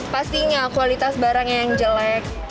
pastinya kualitas barangnya yang jelek